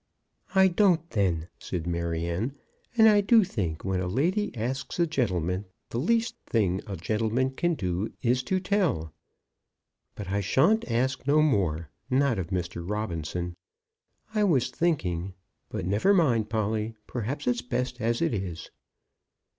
"I don't, then," said Maryanne. "And I do think when a lady asks a gentleman, the least thing a gentleman can do is to tell. But I shan't ask no more, not of Mr. Robinson. I was thinking . But never mind, Polly. Perhaps it's best as it is."